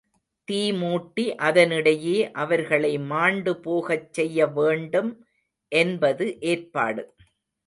தீமூட்டி அதனிடையே அவர்களை மாண்டுபோகச் செய்ய வேண்டும் என்பது ஏற்பாடு.